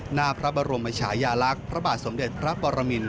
หน้าพระบรมชายาลักษณ์พระบาทสมเด็จพระปรมิน